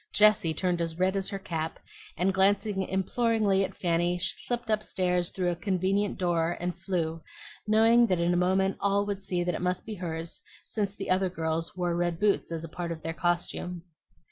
Jessie turned as red as her cap, and glanced imploringly at Fanny as she slipped through a convenient door and flew up stairs, knowing that in a moment all would see that it must be hers, since the other girls wore red boots as a part of their costume.